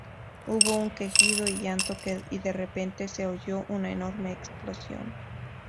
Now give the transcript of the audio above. Hubo un quejido y llanto y de repente se oyó una enorme explosión.